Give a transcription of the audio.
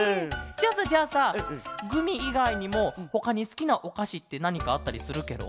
じゃあさじゃあさグミいがいにもほかにすきなおかしってなにかあったりするケロ？